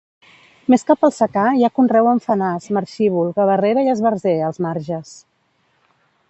Més cap al secà hi ha conreu amb fenàs, marxívol, gavarrera i esbarzer, als marges.